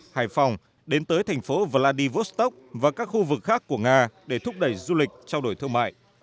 hải phòng đến tới thành phố vladivostok và các khu vực khác của nga để thúc đẩy du lịch trao đổi thương mại